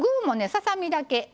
ささ身だけ。